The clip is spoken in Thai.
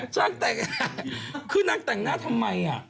ช่างแต่งคือนักแต่งงานทำไม